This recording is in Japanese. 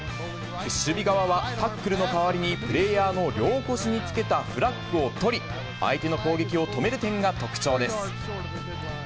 守備側はタックルの代わりにプレーヤーの両腰につけたフラッグを取り、相手の攻撃を止める点が特徴です。